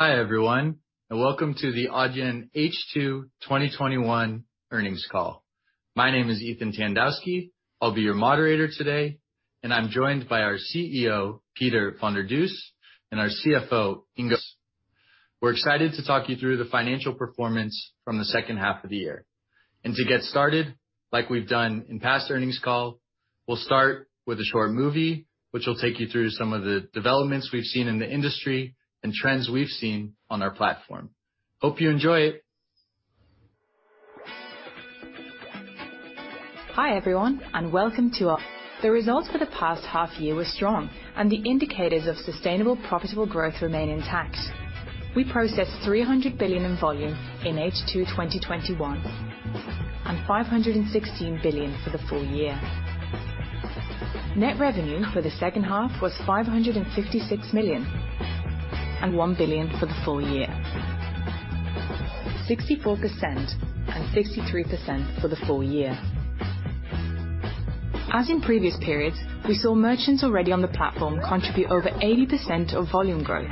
Hi, everyone, and welcome to the Adyen H2 2021 earnings call. My name is Ethan Tandowsky. I'll be your moderator today, and I'm joined by our CEO, Pieter van der Does, and our CFO, Ingo. We're excited to talk you through the financial performance from the second half of the year. To get started, like we've done in past earnings call, we'll start with a short movie which will take you through some of the developments we've seen in the industry and trends we've seen on our platform. Hope you enjoy it. Hi, everyone, and welcome to Adyen. The results for the past half year were strong, and the indicators of sustainable, profitable growth remain intact. We processed 300 billion in volume in H2 2021, and 516 billion for the full year. Net revenue for the second half was 556 million, 64%, and 1 billion, 63%, for the full year. As in previous periods, we saw merchants already on the platform contribute over 80% of volume growth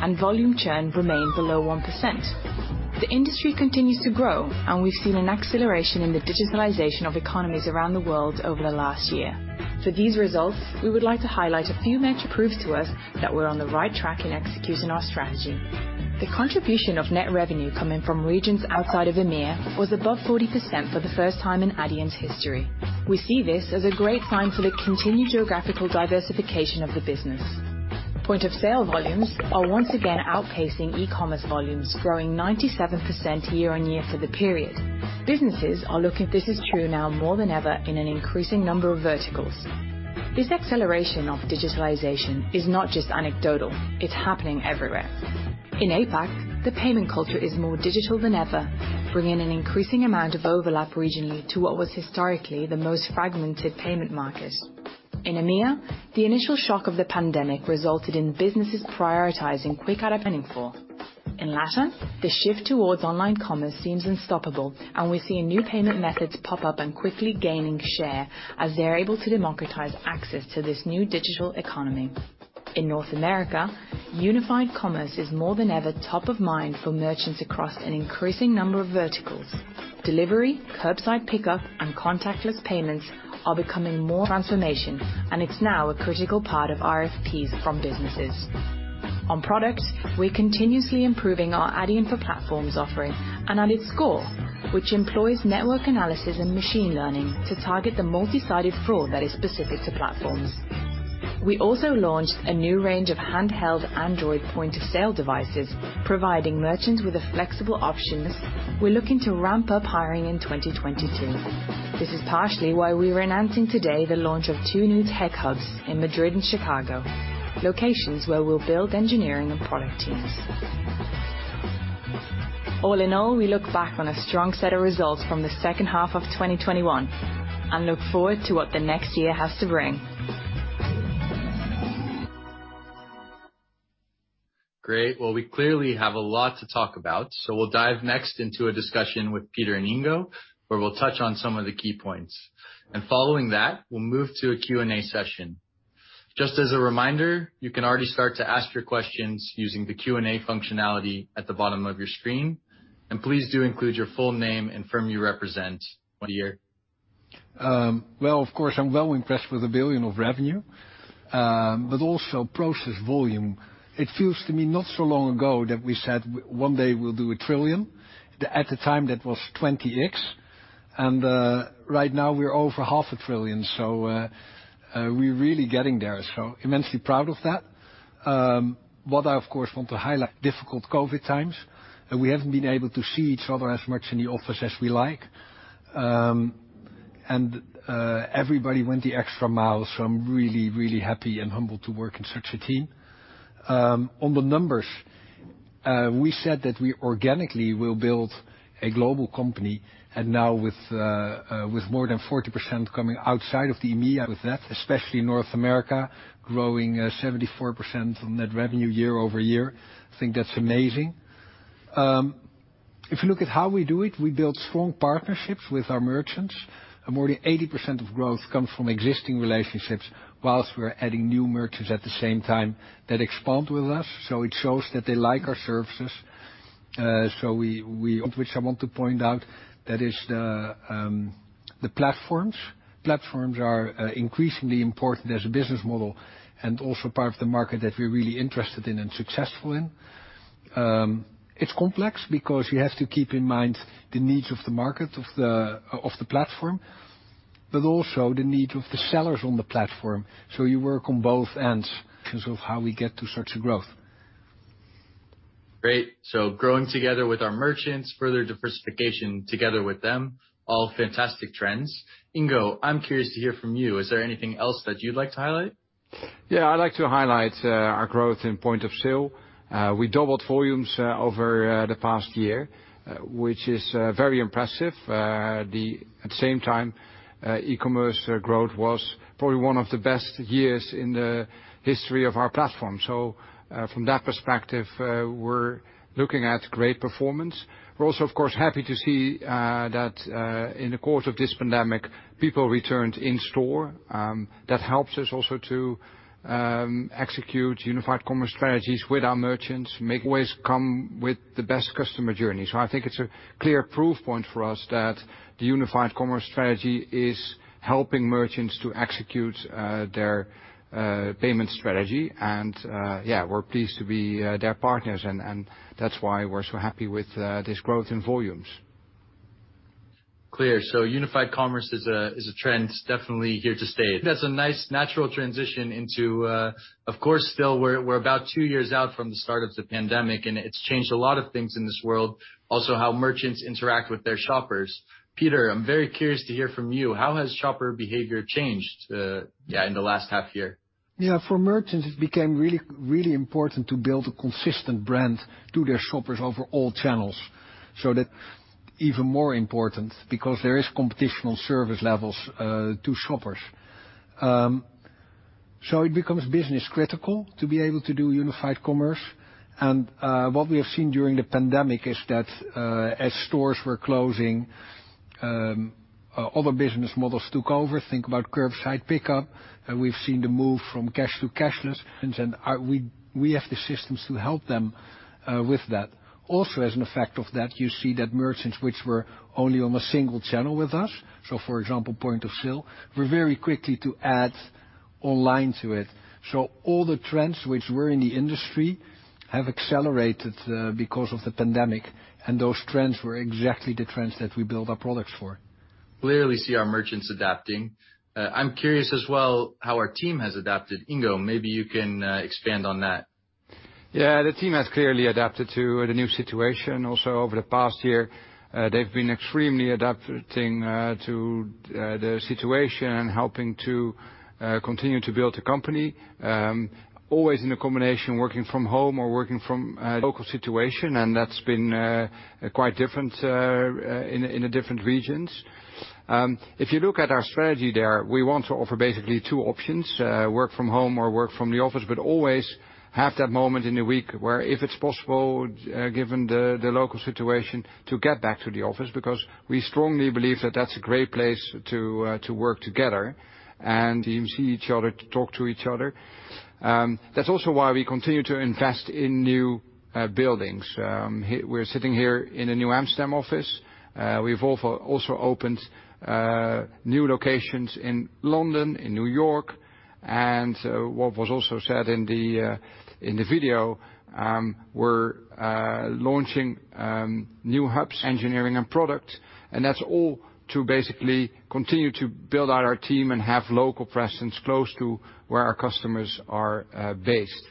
and volume churn remains below 1%. The industry continues to grow, and we've seen an acceleration in the digitalization of economies around the world over the last year. For these results, we would like to highlight a few metrics prove to us that we're on the right track in executing our strategy. The contribution of net revenue coming from regions outside of EMEA was above 40% for the first time in Adyen's history. We see this as a great sign for the continued geographical diversification of the business. Point of sale volumes are once again outpacing e-commerce volumes, growing 97% year-on-year for the period. Businesses are looking. This is true now more than ever in an increasing number of verticals. This acceleration of digitalization is not just anecdotal, it's happening everywhere. In APAC, the payment culture is more digital than ever, bringing an increasing amount of overlap regionally to what was historically the most fragmented payment market. In EMEA, the initial shock of the pandemic resulted in businesses prioritizing quick and dependable for. In Latin America, the shift towards online commerce seems unstoppable, and we're seeing new payment methods pop up and quickly gaining share as they're able to democratize access to this new digital economy. In North America, Unified Commerce is more than ever top of mind for merchants across an increasing number of verticals. Delivery, curbside pickup, and contactless payments are becoming more transformational, and it's now a critical part of RFPs from businesses. On products, we're continuously improving our Adyen for Platforms offering an added Score, which employs network analysis and machine learning to target the multi-sided fraud that is specific to platforms. We also launched a new range of handheld Android point-of-sale devices, providing merchants with a flexible options. We're looking to ramp up hiring in 2022. This is partially why we're announcing today the launch of two new tech hubs in Madrid and Chicago, locations where we'll build engineering and product teams. All in all, we look back on a strong set of results from the second half of 2021 and look forward to what the next year has to bring. Great. Well, we clearly have a lot to talk about, so we'll dive next into a discussion with Pieter and Ingo, where we'll touch on some of the key points. Following that, we'll move to a Q&A session. Just as a reminder, you can already start to ask your questions using the Q&A functionality at the bottom of your screen. Please do include your full name and firm you represent. What are your... Well, of course, I'm well impressed with 1 billion of revenue, but also processed volume. It feels to me not so long ago that we said one day we'll do 1 trillion. At the time, that was 20x. Right now, we're over 0.5 trillion. We're really getting there, so immensely proud of that. What I, of course, want to highlight is the difficult COVID times, and we haven't been able to see each other as much in the office as we like. Everybody went the extra mile. I'm really, really happy and humbled to work in such a team. On the numbers, we said that we organically will build a global company, and now with more than 40% coming outside of the EMEA with that, especially in North America, growing 74% on net revenue year-over-year. I think that's amazing. If you look at how we do it, we build strong partnerships with our merchants. More than 80% of growth comes from existing relationships while we're adding new merchants at the same time that expand with us. It shows that they like our services. Of which I want to point out, that is the platforms. Platforms are increasingly important as a business model and also part of the market that we're really interested in and successful in. It's complex because you have to keep in mind the needs of the market, of the platform, but also the needs of the sellers on the platform. You work on both ends of how we get to such a growth. Great. Growing together with our merchants, further diversification together with them, all fantastic trends. Ingo, I'm curious to hear from you. Is there anything else that you'd like to highlight? Yeah, I'd like to highlight our growth in point of sale. We doubled volumes over the past year, which is very impressive. At the same time, e-commerce growth was probably one of the best years in the history of our platform. From that perspective, we're looking at great performance. We're also of course happy to see that in the course of this pandemic, people returned in-store. That helps us also to execute Unified Commerce strategies with our merchants. Make ways come with the best customer journey. I think it's a clear proof point for us that the Unified Commerce strategy is helping merchants to execute their payment strategy and yeah we're pleased to be their partners and that's why we're so happy with this growth in volumes. Clear. Unified Commerce is a trend definitely here to stay. That's a nice natural transition into, of course, still we're about two years out from the start of the pandemic, and it's changed a lot of things in this world, also how merchants interact with their shoppers. Pieter, I'm very curious to hear from you. How has shopper behavior changed in the last half year? Yeah. For merchants, it became really, really important to build a consistent brand to their shoppers over all channels. That's even more important because there is competition on service levels to shoppers. It becomes business critical to be able to do Unified Commerce. What we have seen during the pandemic is that as stores were closing other business models took over. Think about curbside pickup. We've seen the move from cash to cashless. We have the systems to help them with that. Also, as an effect of that, you see that merchants which were only on a single channel with us, so for example, point of sale, were very quick to add online to it. All the trends which were in the industry have accelerated because of the pandemic, and those trends were exactly the trends that we build our products for. Clearly see our merchants adapting. I'm curious as well how our team has adapted. Ingo, maybe you can expand on that. Yeah. The team has clearly adapted to the new situation. Also over the past year, they've been extremely adapting to the situation and helping to continue to build a company, always in a combination, working from home or working from a local situation. That's been quite different in the different regions. If you look at our strategy there, we want to offer basically two options, work from home or work from the office, but always have that moment in the week where, if it's possible, given the local situation, to get back to the office. Because we strongly believe that that's a great place to work together and see each other, to talk to each other. That's also why we continue to invest in new buildings. We're sitting here in the New Amsterdam office. We've also opened new locations in London, in New York. What was also said in the video, we're launching new hubs, engineering and product. That's all to basically continue to build out our team and have local presence close to where our customers are based.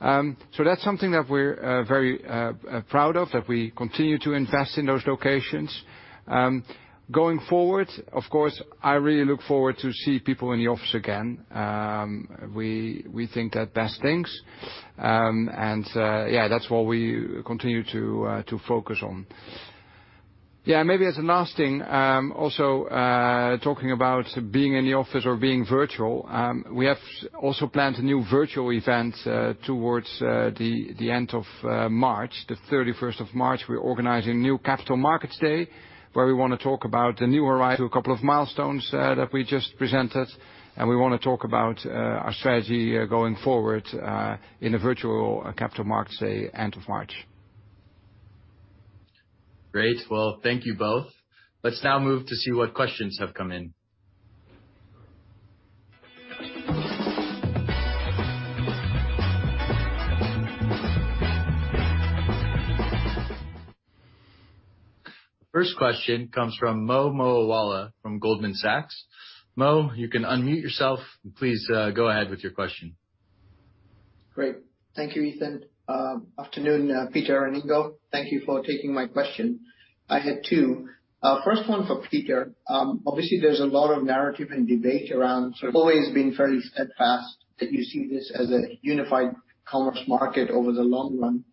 That's something that we're very proud of, that we continue to invest in those locations. Going forward, of course, I really look forward to see people in the office again. We think that best things. Yeah, that's what we continue to focus on. Maybe as a last thing, also talking about being in the office or being virtual, we have also planned a new virtual event towards the end of March. The thirty-first of March, we're organizing a new Capital Markets Day, where we wanna talk about our arrival at a couple of milestones that we just presented, and we wanna talk about our strategy going forward in a virtual Capital Markets Day end of March. Great. Well, thank you both. Let's now move to see what questions have come in. First question comes from Mo Moawalla from Goldman Sachs. Mo, you can unmute yourself. Please, go ahead with your question. Great. Thank you, Ethan. Afternoon, Pieter and Ingo. Thank you for taking my question. I had two. First one for Pieter. Obviously there's a lot of narrative and debate around sort of always being fairly steadfast, that you see this as a Unified Commerce market over the long run.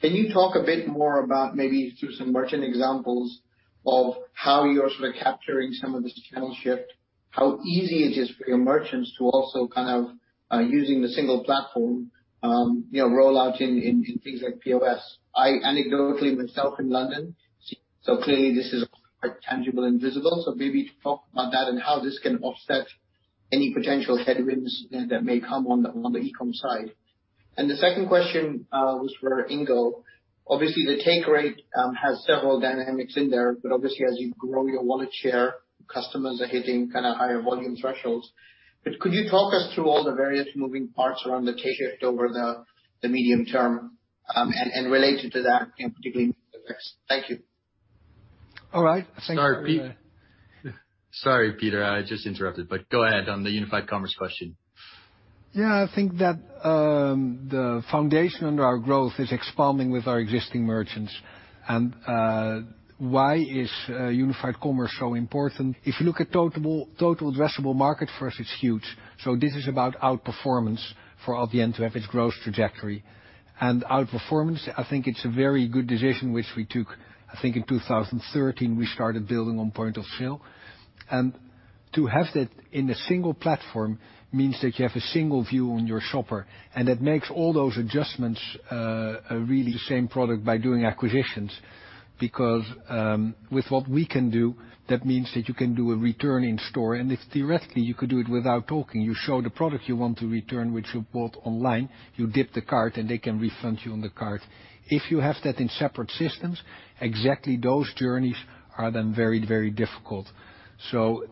Can you talk a bit more about maybe through some merchant examples of how you're sort of capturing some of this channel shift, how easy it is for your merchants to also kind of using the single platform, you know, roll out in things like POS? I anecdotally myself in London see so clearly this is quite tangible and visible. So maybe talk about that and how this can offset any potential headwinds that may come on the e-com side. The second question was for Ingo. Obviously, the take rate has several dynamics in there, but obviously as you grow your wallet share, customers are hitting kinda higher volume thresholds. Could you talk us through all the various moving parts around the take rate over the medium term, and related to that, you know, particularly mix effects? Thank you. All right. Thank you. Sorry, Pieter, I just interrupted, but go ahead on the Unified Commerce question. Yeah, I think that the foundation under our growth is expanding with our existing merchants. Why is Unified Commerce so important? If you look at total addressable market first, it's huge. This is about outperformance for Adyen to have its growth trajectory. Outperformance, I think it's a very good decision which we took. I think in 2013, we started building on point of sale. To have that in a single platform means that you have a single view on your shopper, and it makes all those adjustments really the same product by doing acquisitions. With what we can do, that means that you can do a return in store. If theoretically you could do it without talking, you show the product you want to return, which you bought online, you dip the card and they can refund you on the card. If you have that in separate systems, exactly those journeys are then very, very difficult.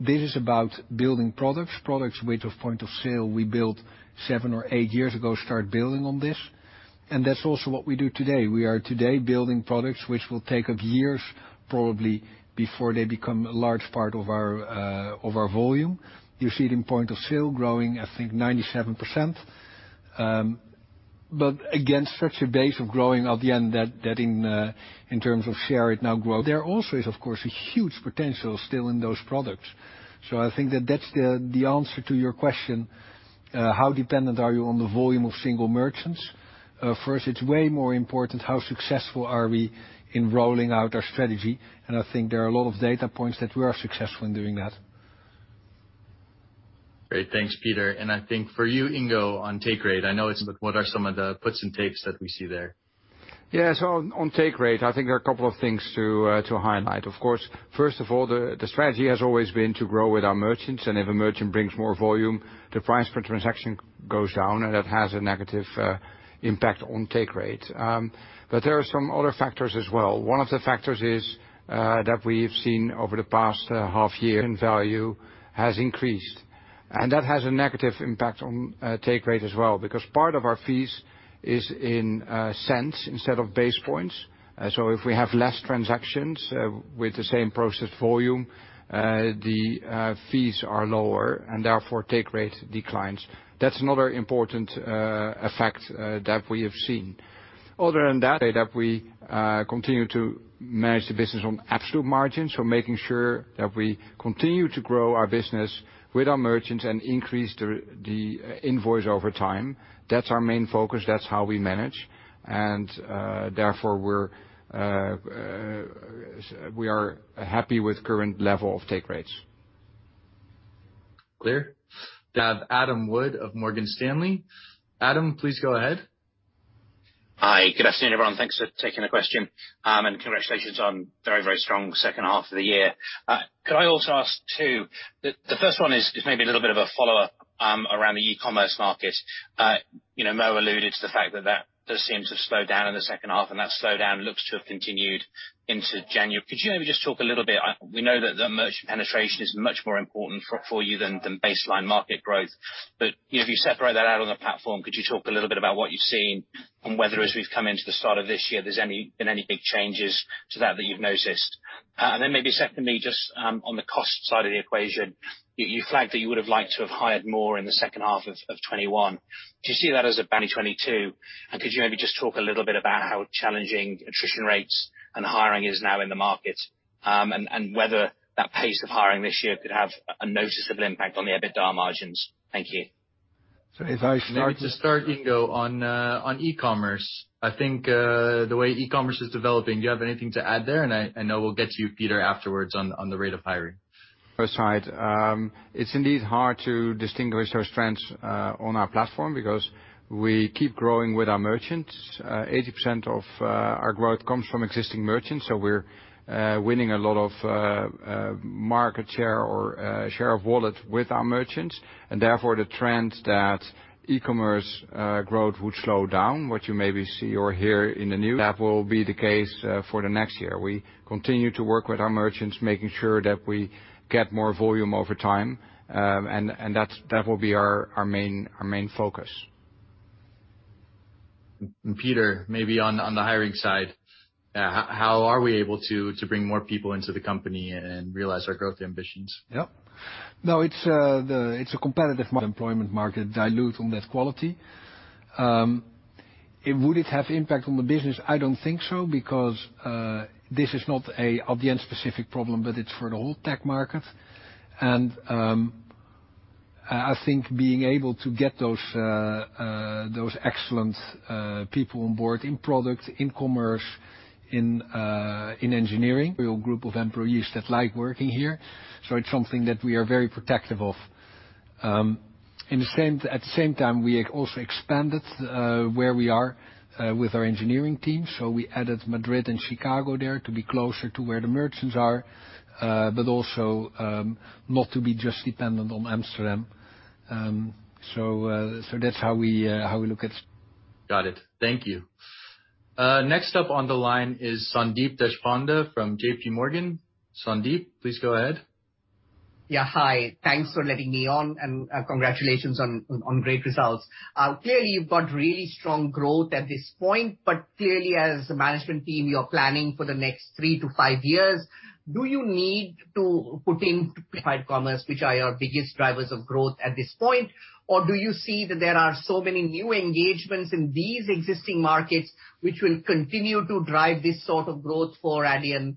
This is about building products. Products, point of sale, we built seven or eight years ago, start building on this. That's also what we do today. We are today building products which will take up years probably before they become a large part of our volume. You see it in point of sale growing, I think 97%. But again, such a base we're growing from that in terms of share it now grows. There also is of course a huge potential still in those products. I think that that's the answer to your question, how dependent are you on the volume of single merchants? For us it's way more important how successful are we in rolling out our strategy, and I think there are a lot of data points that we are successful in doing that. Great. Thanks, Pieter. I think for you, Ingo, on take rate, I know it's, but what are some of the puts and takes that we see there? Yeah. On take rate, I think there are a couple of things to highlight. Of course, first of all, the strategy has always been to grow with our merchants, and if a merchant brings more volume, the price per transaction goes down and that has a negative impact on take rate. There are some other factors as well. One of the factors is that we've seen over the past half year, average value has increased, and that has a negative impact on take rate as well. Because part of our fees is in cents instead of basis points. If we have less transactions with the same processed volume, the fees are lower and therefore take rate declines. That's another important effect that we have seen. Other than that, say that we continue to manage the business on absolute margins. Making sure that we continue to grow our business with our merchants and increase the invoice over time. That's our main focus. That's how we manage. Therefore we are happy with current level of take rates. Clear. We have Adam Wood of Morgan Stanley. Adam, please go ahead. Hi. Good afternoon, everyone. Thanks for taking the question. Congratulations on very, very strong second half of the year. Could I also ask, too, the first one is just maybe a little bit of a follow-up around the e-commerce market. You know, Mo alluded to the fact that that does seem to have slowed down in the second half, and that slowdown looks to have continued into January. Could you maybe just talk a little bit? We know that the merchant penetration is much more important for you than baseline market growth. You know, if you separate that out on the platform, could you talk a little bit about what you've seen on whether as we've come into the start of this year, there's been any big changes to that that you've noticed? Maybe secondly, just on the cost side of the equation, you flagged that you would have liked to have hired more in the second half of 2021. Do you see that as a banner 2022? Could you maybe just talk a little bit about how challenging attrition rates and hiring is now in the market, and whether that pace of hiring this year could have a noticeable impact on the EBITDA margins? Thank you. So if I start- Maybe to start, Ingo, on e-commerce. I think the way e-commerce is developing, do you have anything to add there? I know we'll get to you, Pieter, afterwards on the rate of hiring. It's indeed hard to distinguish those trends on our platform because we keep growing with our merchants. 80% of our growth comes from existing merchants, so we're winning a lot of market share or share of wallet with our merchants. Therefore, the trend that e-commerce growth would slow down, what you maybe see or hear in the news, that will be the case for the next year. We continue to work with our merchants, making sure that we get more volume over time. That will be our main focus. Pieter, maybe on the hiring side, how are we able to bring more people into the company and realize our growth ambitions? Yeah. No, it's a competitive employment market to attract that quality. Would it have impact on the business? I don't think so because this is not an Adyen specific problem, but it's for the whole tech market. I think being able to get those excellent people on board in product, in commerce, in engineering. We're a group of employees that like working here, so it's something that we are very protective of. At the same time, we also expanded where we are with our engineering team. We added Madrid and Chicago there to be closer to where the merchants are, but also not to be just dependent on Amsterdam. That's how we look at Got it. Thank you. Next up on the line is Sandeep Deshpande from JPMorgan. Sandeep, please go ahead. Yeah. Hi. Thanks for letting me on, and congratulations on great results. Clearly you've got really strong growth at this point, but clearly as a management team, you're planning for the next three to five years. Do you need to pivot to Unified Commerce, which are your biggest drivers of growth at this point? Or do you see that there are so many new engagements in these existing markets which will continue to drive this sort of growth for Adyen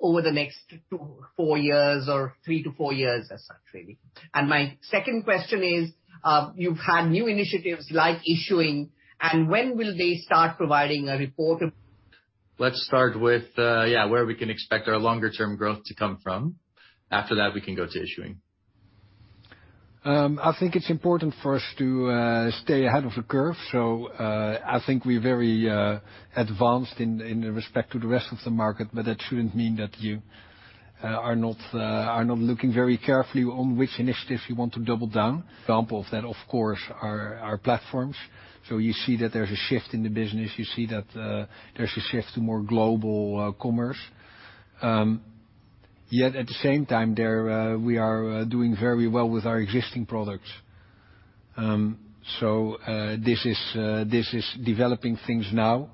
over the next two to four years or three to four years as such, really? My second question is, you've had new initiatives like issuing, and when will they start providing a report of- Let's start with where we can expect our long-term growth to come from. After that, we can go to issuing. I think it's important for us to stay ahead of the curve. I think we're very advanced in respect to the rest of the market, but that shouldn't mean that you are not looking very carefully on which initiatives you want to double down. Example of that, of course, are our platforms. You see that there's a shift in the business. You see that there's a shift to more global commerce. Yet at the same time there we are doing very well with our existing products. This is developing things now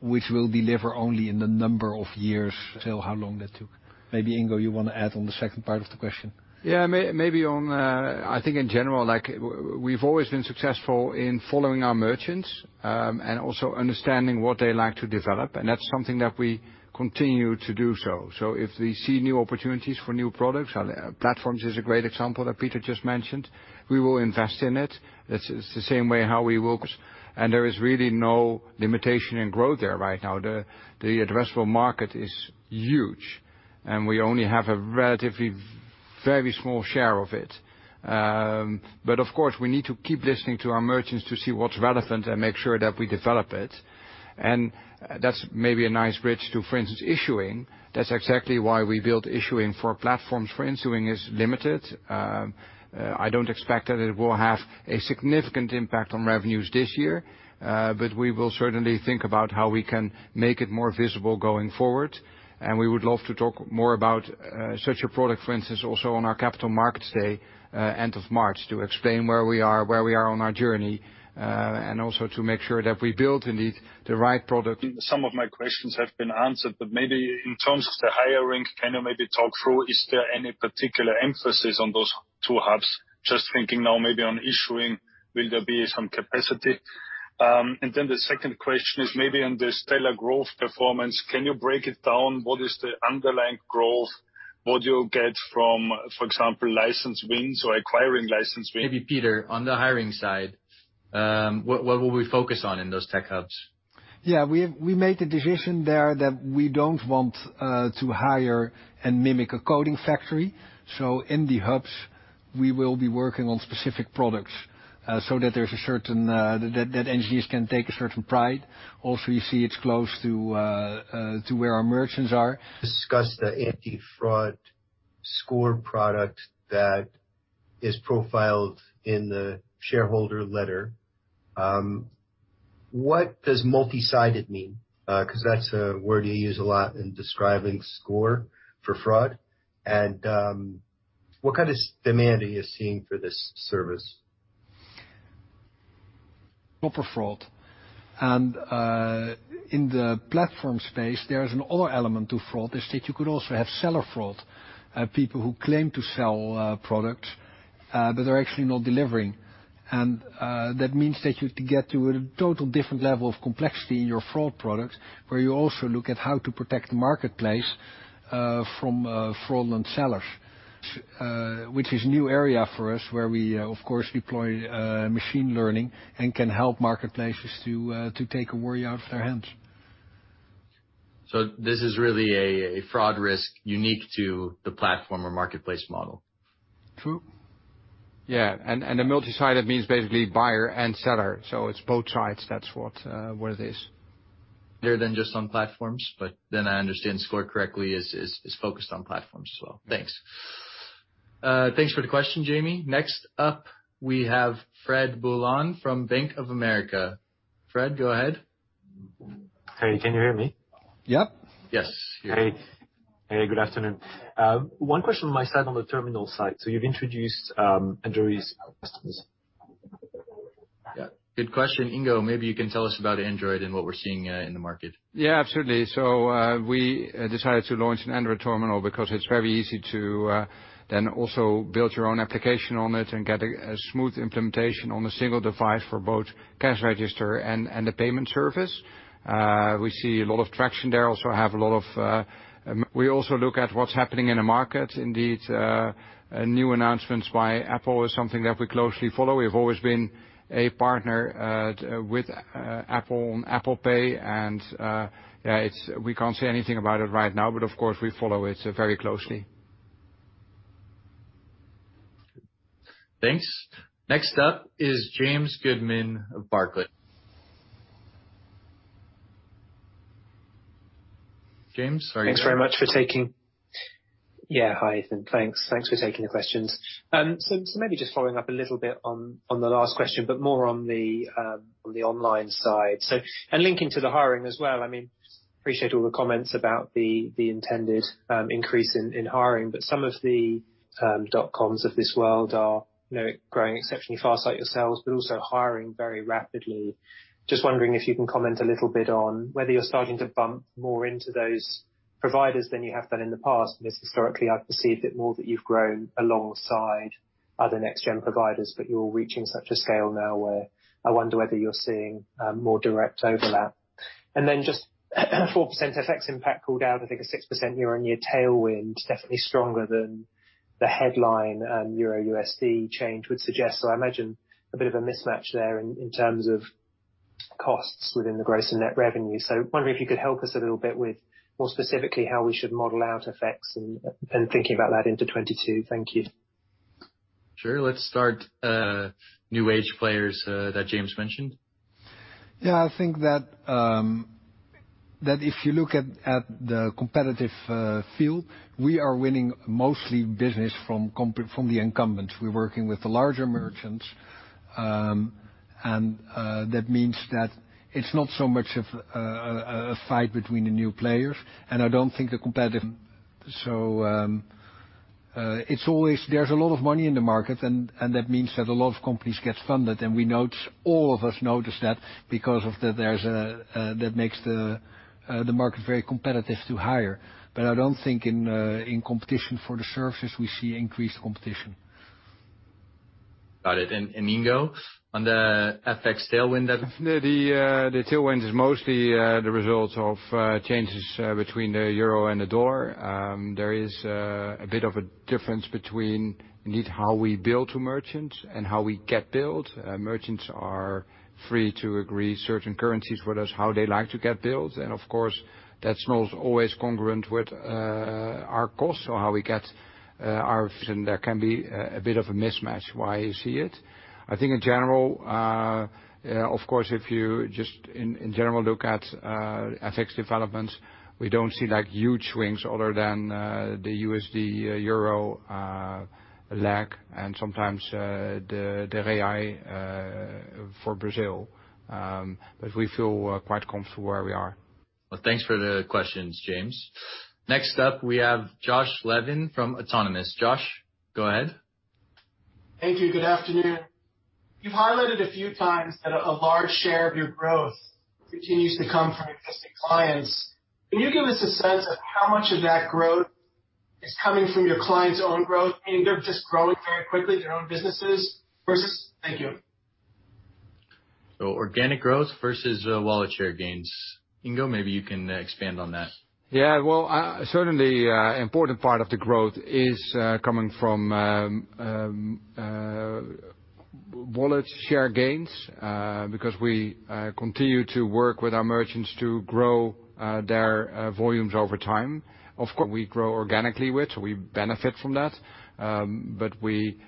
which will deliver only in the number of years. Tell how long that took. Maybe Ingo, you want to add on the second part of the question? I think in general, like we've always been successful in following our merchants, and also understanding what they like to develop, and that's something that we continue to do so. If we see new opportunities for new products, platforms is a great example that Pieter just mentioned, we will invest in it. It's the same way how we work. There is really no limitation in growth there right now. The addressable market is huge, and we only have a relatively very small share of it. But of course, we need to keep listening to our merchants to see what's relevant and make sure that we develop it. That's maybe a nice bridge to, for instance, issuing. That's exactly why we built issuing for platforms, for issuing is limited. I don't expect that it will have a significant impact on revenues this year, but we will certainly think about how we can make it more visible going forward. We would love to talk more about such a product, for instance, also on our Capital Markets Day, end of March to explain where we are on our journey, and also to make sure that we build indeed the right product. Some of my questions have been answered, but maybe in terms of the hiring, can you maybe talk through, is there any particular emphasis on those two hubs? Just thinking now maybe on issuing, will there be some capacity? Then the second question is maybe on the stellar growth performance, can you break it down? What is the underlying growth? What do you get from, for example, license wins or acquiring license wins? Maybe Pieter, on the hiring side, what will we focus on in those tech hubs? Yeah, we made the decision there that we don't want to hire and mimic a coding factory. In the hubs, we will be working on specific products so that there's a certain that engineers can take a certain pride. Also, you see it's close to where our merchants are. Discuss the anti-fraud score product that is profiled in the shareholder letter. What does multi-sided mean? 'Cause that's a word you use a lot in describing score for fraud. What kind of demand are you seeing for this service? Proper fraud. In the platform space, there is another element to fraud is that you could also have seller fraud, people who claim to sell products, but they're actually not delivering. That means that you get to a total different level of complexity in your fraud product, where you also look at how to protect the marketplace from fraudulent sellers. Which is new area for us where we, of course, deploy machine learning and can help marketplaces to take a worry out of their hands. This is really a fraud risk unique to the platform or marketplace model. True. Yeah. The multi-sided means basically buyer and seller. It's both sides. That's what it is. than just on platforms, but then I understand Score correctly is focused on platforms as well. Thanks. Thanks for the question, Jamie. Next up, we have Frederic Boulan from Bank of America. Fred, go ahead. Hey, can you hear me? Yeah. Yes. Great. Hey, good afternoon. One question on my side on the terminal side. You've introduced Android's customers. Yeah. Good question. Ingo, maybe you can tell us about Android and what we're seeing in the market. Yeah, absolutely. We decided to launch an Android terminal because it's very easy to then also build your own application on it and get a smooth implementation on a single device for both cash register and the payment service. We see a lot of traction there. We also look at what's happening in the market. Indeed, new announcements by Apple is something that we closely follow. We've always been a partner with Apple on Apple Pay, and yeah, it's. We can't say anything about it right now, but of course, we follow it very closely. Thanks. Next up is James Goodman of Barclays. James, sorry. Yeah, hi Ethan. Thanks. Thanks for taking the questions. Maybe just following up a little bit on the last question, but more on the online side and linking to the hiring as well. I mean, I appreciate all the comments about the intended increase in hiring, but some of the dotcoms of this world are, you know, growing exceptionally fast like yourselves, but also hiring very rapidly. Just wondering if you can comment a little bit on whether you're starting to bump more into those providers than you have done in the past. Because historically I've perceived it more that you've grown alongside other next gen providers, but you're reaching such a scale now where I wonder whether you're seeing more direct overlap. Just 4% FX impact called out, I think a 6% year-on-year tailwind, definitely stronger than the headline euro USD change would suggest. I imagine a bit of a mismatch there in terms of costs within the gross and net revenue. Wondering if you could help us a little bit with more specifically how we should model out effects and thinking about that into 2022. Thank you. Sure. Let's start, new age players, that James mentioned. Yeah, I think that if you look at the competitive field, we are winning mostly business from the incumbents. We're working with the larger merchants, and that means that it's not so much of a fight between the new players, and I don't think the competition. There's always a lot of money in the market, and that means that a lot of companies get funded, and we notice, all of us notice that. That makes the market very competitive to hire. I don't think in competition for the services we see increased competition. Got it. Ingo, on the FX tailwind that The tailwind is mostly the result of changes between the euro and the dollar. There is a bit of a difference between indeed how we bill to merchants and how we get billed. Merchants are free to agree certain currencies with us, how they like to get billed. Of course, that's not always congruent with our costs or how we get our fees. There can be a bit of a mismatch why you see it. I think in general, of course, if you just in general look at FX developments, we don't see like huge swings other than the USD euro lag and sometimes the BRL for Brazil. We feel quite comfortable where we are. Well, thanks for the questions, James. Next up we have Josh Levin from Autonomous. Josh, go ahead. Thank you. Good afternoon. You've highlighted a few times that a large share of your growth continues to come from existing clients. Can you give us a sense of how much of that growth is coming from your clients' own growth, meaning they're just growing very quickly their own businesses versus. Thank you. Organic growth versus wallet share gains. Ingo, maybe you can expand on that. Yeah. Well, certainly important part of the growth is coming from wallet share gains, because we continue to work with our merchants to grow their volumes over time. Of course, we grow organically, so we benefit from that. But we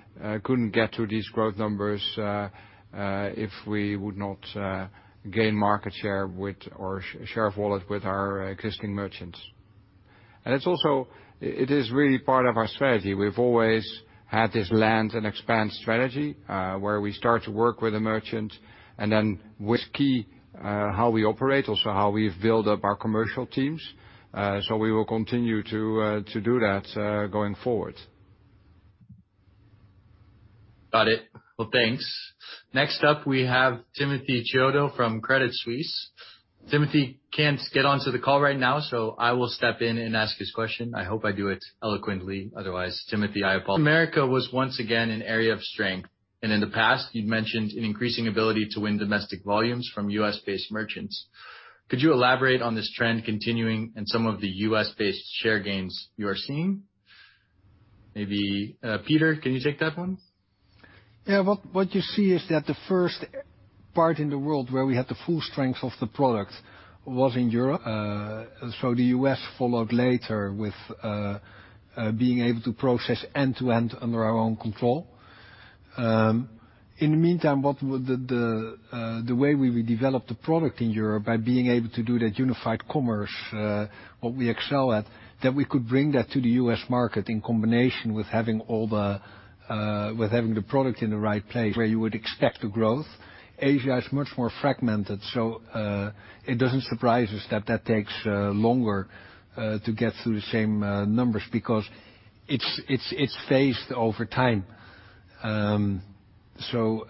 couldn't get to these growth numbers if we would not gain market share or wallet share with our existing merchants. It's also really part of our strategy. We've always had this land and expand strategy, where we start to work with a merchant and then with key how we operate, also how we've built up our commercial teams. We will continue to do that going forward. Got it. Well, thanks. Next up, we have Timothy Chiodo from Credit Suisse. Timothy can't get onto the call right now, so I will step in and ask his question. I hope I do it eloquently, otherwise, Timothy, I apologize. Americas was once again an area of strength, and in the past you'd mentioned an increasing ability to win domestic volumes from U.S.-based merchants. Could you elaborate on this trend continuing and some of the U.S.-based share gains you are seeing? Maybe, Pieter, can you take that one? Yeah. What you see is that the first part in the world where we had the full strength of the product was in Europe. The U.S. followed later with being able to process end to end under our own control. In the meantime, what with the way we redeveloped the product in Europe by being able to do that Unified Commerce, what we excel at, that we could bring that to the U.S. market in combination with having the product in the right place where you would expect the growth. Asia is much more fragmented. It doesn't surprise us that it takes longer to get to the same numbers because it's phased over time. Through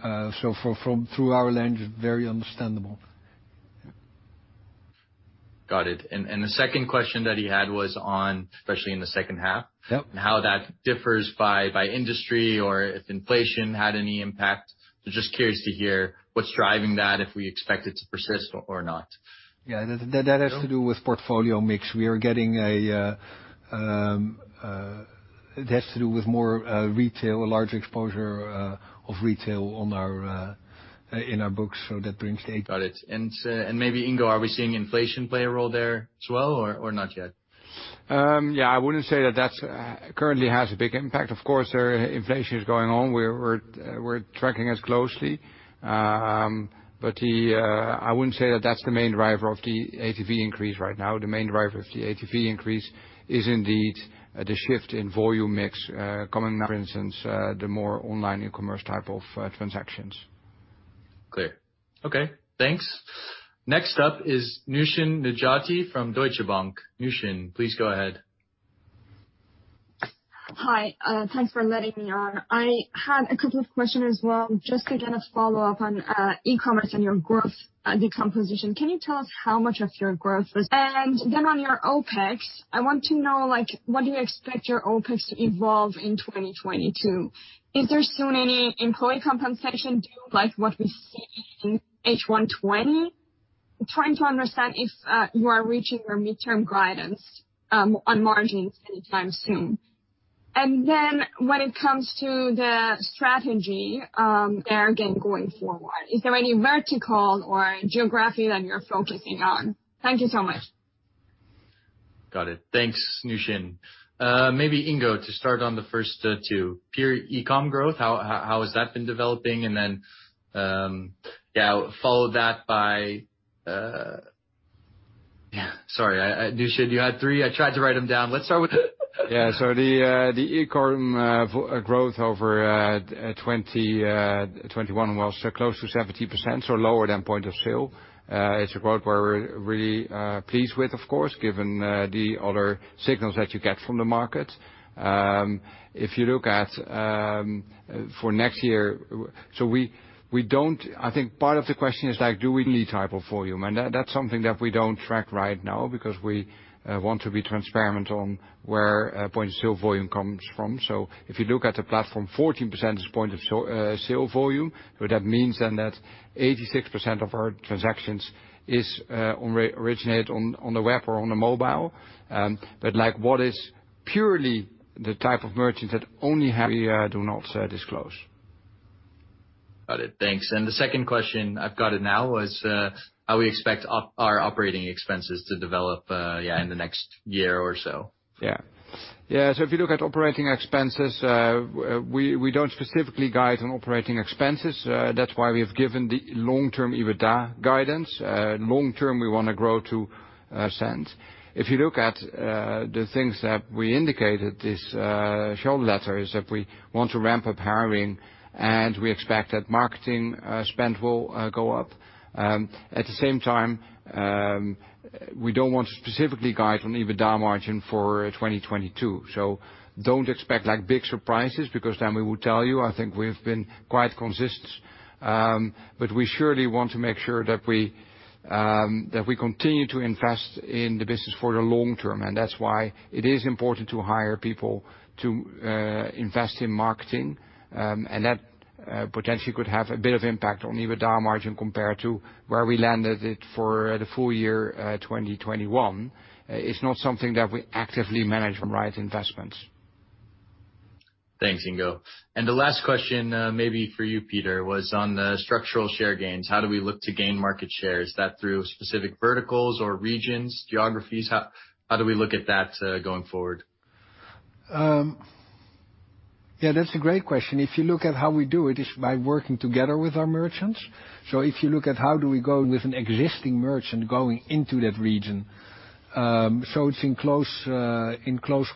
our lens, very understandable. Got it. The second question that he had was on, especially in the second half- Yep. how that differs by industry or if inflation had any impact. Just curious to hear what's driving that, if we expect it to persist or not. Yeah. That has to do with portfolio mix. It has to do with more retail, a larger exposure of retail in our books, so that brings the- Got it. Maybe Ingo, are we seeing inflation play a role there as well or not yet? Yeah, I wouldn't say that that's currently has a big impact. Of course, inflation is going on. We're tracking as closely. But I wouldn't say that that's the main driver of the ATV increase right now. The main driver of the ATV increase is indeed the shift in volume mix coming now, for instance, the more online e-commerce type of transactions. Clear. Okay, thanks. Next up is Nooshin Nejati from Deutsche Bank. Nooshin, please go ahead. Hi, thanks for letting me on. I had a couple of questions as well, just, again, a follow-up on e-commerce and your growth decomposition. Can you tell us how much of your growth was. On your OpEx, I want to know, like, what do you expect your OpEx to evolve in 2022? Is there soon any employee compensation due, like what we see in H1 2020? I'm trying to understand if you are reaching your midterm guidance on margins anytime soon. When it comes to the strategy, there again, going forward, is there any vertical or geography that you're focusing on? Thank you so much. Got it. Thanks, Nooshin. Maybe Ingo, to start on the first two. Pure e-com growth, how has that been developing? Follow that by. Sorry, Nooshin, you had three. I tried to write them down. Let's start with the Yeah. The e-com volume growth over 2021 was close to 70%, so lower than point of sale. It's a growth we're really pleased with, of course, given the other signals that you get from the market. If you look at for next year, we don't. I think part of the question is, like, do we need that type of volume? That's something that we don't track right now because we want to be transparent on where point of sale volume comes from. If you look at the platform, 14% is point of sale volume. That means then that 86% of our transactions is originated on the web or on the mobile. But like, what is purely the type of merchants that only have... We do not disclose. Got it. Thanks. The second question, I've got it now, was how we expect our operating expenses to develop in the next year or so. Yeah. Yeah. If you look at operating expenses, we don't specifically guide on operating expenses. That's why we have given the long-term EBITDA guidance. Long term, we wanna grow to 50%. If you look at the things that we indicated in this shareholder letter, is that we want to ramp up hiring, and we expect that marketing spend will go up. At the same time, we don't want to specifically guide on EBITDA margin for 2022. Don't expect, like, big surprises, because then we will tell you. I think we've been quite consistent. We surely want to make sure that we continue to invest in the business for the long term. That's why it is important to hire people to invest in marketing. That potentially could have a bit of impact on EBITDA margin compared to where we landed it for the full year 2021. It's not something that we actively manage for investments. Thanks, Ingo. The last question, maybe for you, Pieter, was on the structural share gains. How do we look to gain market share? Is that through specific verticals or regions, geographies? How do we look at that, going forward? Yeah, that's a great question. If you look at how we do it's by working together with our merchants. If you look at how we go with an existing merchant going into that region, it's in close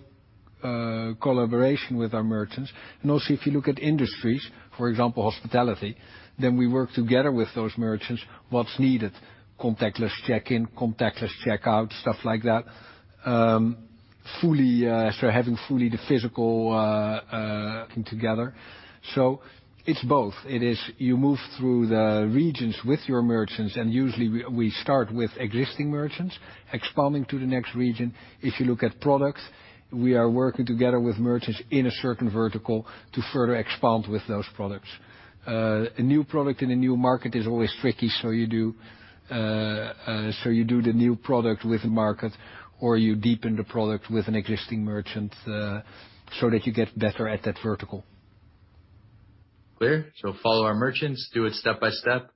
collaboration with our merchants. Also, if you look at industries, for example, hospitality, then we work together with those merchants, what's needed, contactless check-in, contactless checkout, stuff like that. Fully, having fully the physical, working together. It's both. It is you move through the regions with your merchants. Usually we start with existing merchants expanding to the next region. If you look at products, we are working together with merchants in a certain vertical to further expand with those products. A new product in a new market is always tricky. You do the new product with the market, or you deepen the product with an existing merchant, so that you get better at that vertical. Clear. Follow our merchants, do it step by step.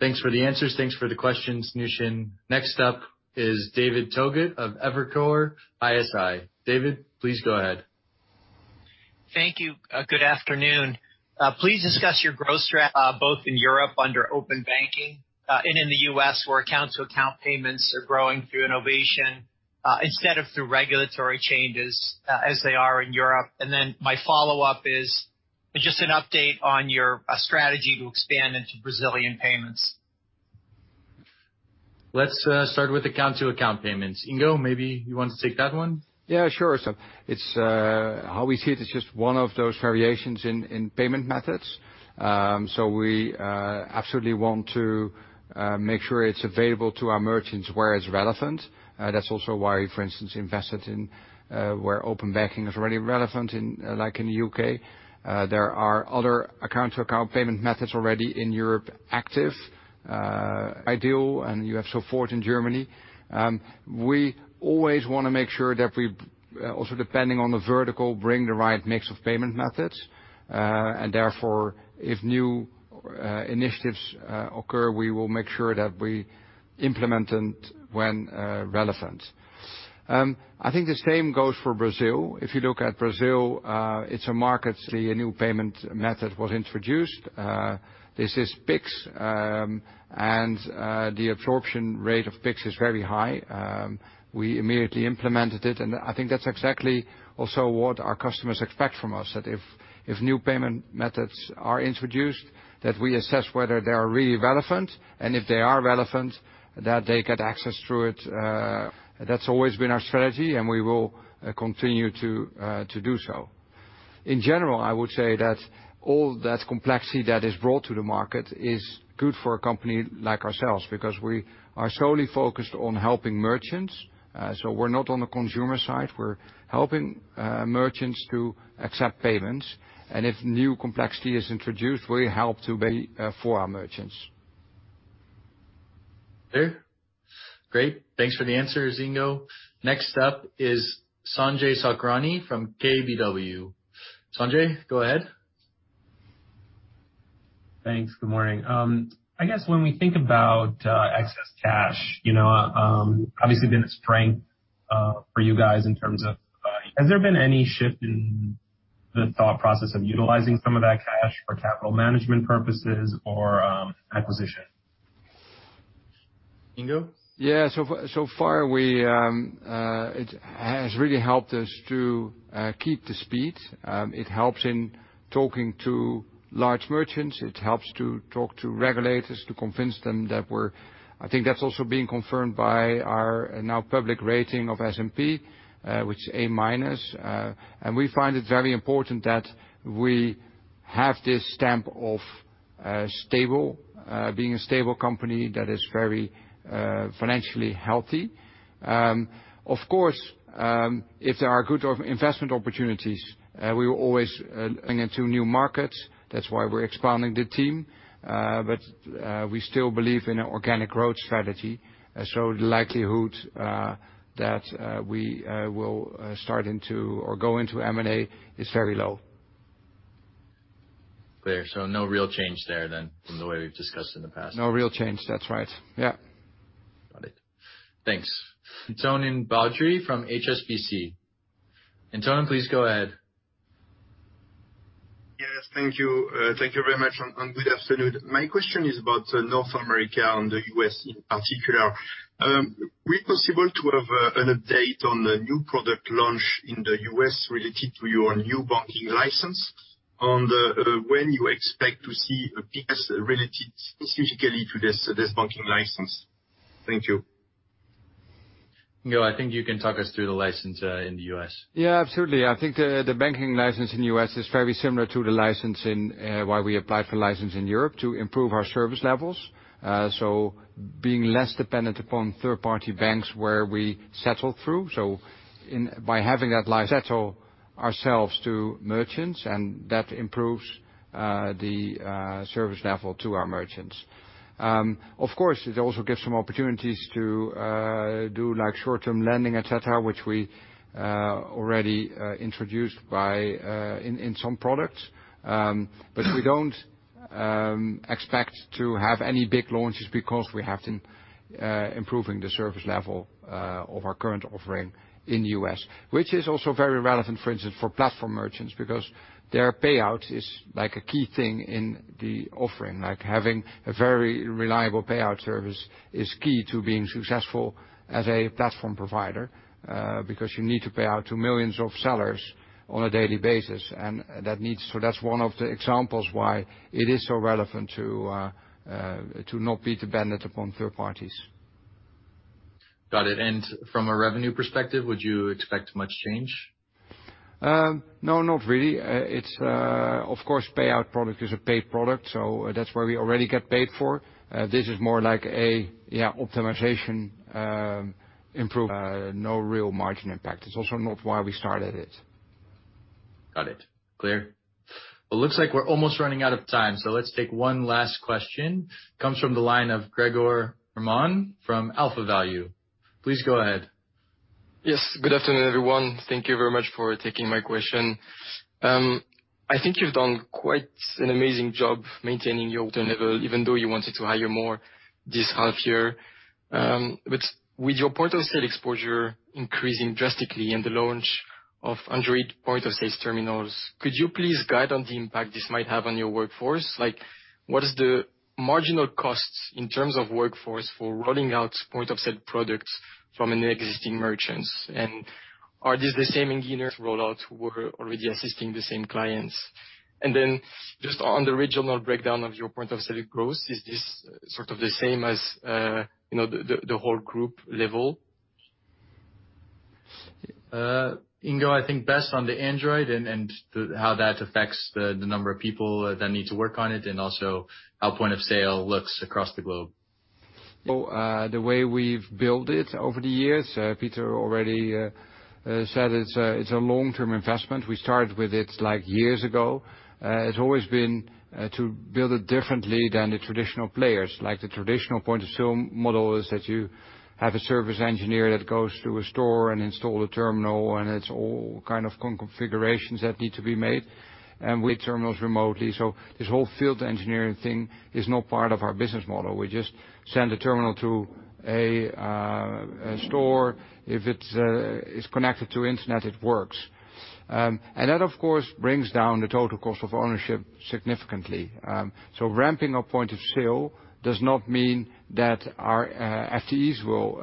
Thanks for the answers. Thanks for the questions, Nooshin. Next up is David Togut of Evercore ISI. David, please go ahead. Thank you. Good afternoon. Please discuss your growth strategy, both in Europe under open banking, and in the U.S., where account-to-account payments are growing through innovation, instead of through regulatory changes, as they are in Europe. My follow-up is just an update on your strategy to expand into Brazilian payments. Let's start with account-to-account payments. Ingo, maybe you want to take that one. Yeah, sure. It's how we see it's just one of those variations in payment methods. We absolutely want to make sure it's available to our merchants where it's relevant. That's also why we, for instance, invested in where open banking is really relevant, like in U.K. There are other account-to-account payment methods already active in Europe, iDEAL, and you have Sofort in Germany. We always wanna make sure that, also depending on the vertical, we bring the right mix of payment methods. Therefore, if new initiatives occur, we will make sure that we implement them when relevant. I think the same goes for Brazil. If you look at Brazil, it's a market. A new payment method was introduced. This is Pix. The absorption rate of Pix is very high. We immediately implemented it. I think that's exactly also what our customers expect from us, that if new payment methods are introduced, that we assess whether they are really relevant, and if they are relevant, that they get access through it. That's always been our strategy, and we will continue to do so. In general, I would say that all that complexity that is brought to the market is good for a company like ourselves, because we are solely focused on helping merchants. We're not on the consumer side. We're helping merchants to accept payments. If new complexity is introduced, we help to be for our merchants. Great. Thanks for the answer, Ingo. Next up is Sanjay Sakhrani from KBW. Sanjay, go ahead. Thanks. Good morning. I guess when we think about excess cash, you know, obviously been a strength for you guys in terms of has there been any shift in the thought process of utilizing some of that cash for capital management purposes or acquisition? Ingo? So far, it has really helped us to keep the speed. It helps in talking to large merchants. It helps to talk to regulators to convince them that we're. I think that's also being confirmed by our now public rating of S&P, which is A-. We find it very important that we have this stamp of stability, being a stable company that is very financially healthy. Of course, if there are good investment opportunities, we will always look into new markets. That's why we're expanding the team. We still believe in an organic growth strategy. The likelihood that we will start into or go into M&A is very low. Clear. No real change there then from the way we've discussed in the past? No real change. That's right. Yeah. Got it. Thanks. Antonin Baudry from HSBC. Antonin, please go ahead. Yes, thank you. Thank you very much and good afternoon. My question is about North America and the U.S. in particular. Would it be possible to have an update on the new product launch in the U.S. related to your new banking license on when you expect to see a piece related specifically to this banking license? Thank you. Ingo, I think you can talk us through the license in the U.S. Yeah, absolutely. I think the banking license in the U.S. is very similar to why we applied for the license in Europe to improve our service levels. Being less dependent upon third-party banks where we settle through by having that settle ourselves to merchants, and that improves the service level to our merchants. Of course, it also gives some opportunities to do like short-term lending, et cetera, which we already introduced in some products. We don't expect to have any big launches because we have been improving the service level of our current offering in the U.S. Which is also very relevant, for instance, for platform merchants, because their payout is like a key thing in the offering. Like, having a very reliable payout service is key to being successful as a platform provider, because you need to pay out to millions of sellers on a daily basis. That's one of the examples why it is so relevant to not be dependent upon third parties. Got it. From a revenue perspective, would you expect much change? No, not really. Of course, payout product is a paid product, so that's where we already get paid for. This is more like a optimization improvement. No real margin impact. It's also not why we started it. Got it. Clear. It looks like we're almost running out of time, so let's take one last question. Comes from the line of Gregor [Groman] from AlphaValue. Please go ahead. Yes. Good afternoon, everyone. Thank you very much for taking my question. I think you've done quite an amazing job maintaining your level even though you wanted to hire more this half year. With your point-of-sale exposure increasing drastically in the launch of Android point-of-sale terminals, could you please guide on the impact this might have on your workforce? Like, what is the marginal costs in terms of workforce for rolling out point-of-sale products from the existing merchants? And are these the same engineers rollout who were already assisting the same clients? And then just on the regional breakdown of your point-of-sale growth, is this sort of the same as, you know, the whole group level? Ingo, I think best on the Android and how that affects the number of people that need to work on it, and also how point of sale looks across the globe. The way we've built it over the years, Pieter already said it's a long-term investment. We started with it like years ago. It's always been to build it differently than the traditional players. Like the traditional point of sale model is that you have a service engineer that goes to a store and install a terminal, and it's all kind of configurations that need to be made. We configure terminals remotely, so this whole field engineering thing is not part of our business model. We just send the terminal to a store. If it's connected to internet, it works. That of course brings down the total cost of ownership significantly. Ramping up point of sale does not mean that our FTEs will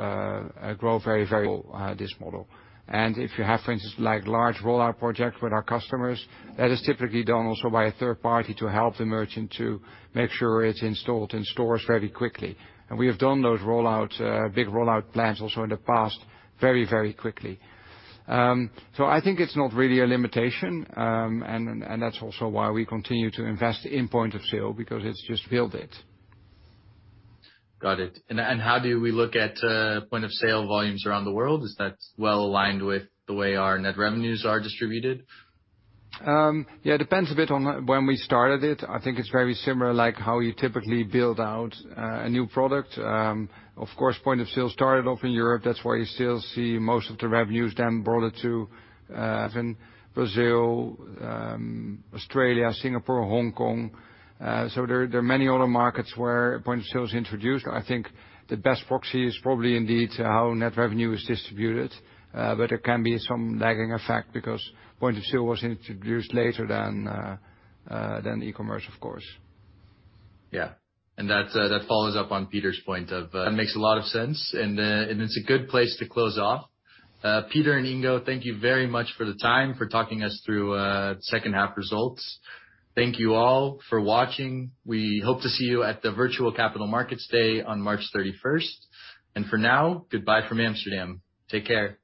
grow very much with this model. If you have, for instance, like large rollout projects with our customers, that is typically done also by a third party to help the merchant to make sure it's installed in stores very quickly. We have done those rollout, big rollout plans also in the past very, very quickly. I think it's not really a limitation, and that's also why we continue to invest in point of sale because it's just built it. Got it. How do we look at point of sale volumes around the world? Is that well-aligned with the way our net revenues are distributed? Yeah, it depends a bit on when we started it. I think it's very similar, like how you typically build out a new product. Of course, point of sale started off in Europe. That's why you still see most of the revenues. Then brought it to in Brazil, Australia, Singapore, Hong Kong. There are many other markets where point of sale is introduced. I think the best proxy is probably indeed how net revenue is distributed. There can be some lagging effect because point of sale was introduced later than e-commerce, of course. Yeah. That follows up on Pieter's point of it makes a lot of sense, and it's a good place to close off. Pieter and Ingo, thank you very much for the time, for talking us through second half results. Thank you all for watching. We hope to see you at the Virtual Capital Markets Day on March thirty-first. For now, goodbye from Amsterdam. Take care.